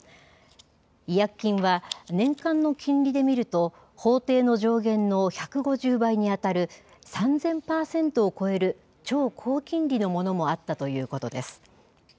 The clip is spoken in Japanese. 違約金は、年間の金利で見ると、法定の上限の１５０倍に当たる３０００％を超える超高金利のものもあったということです。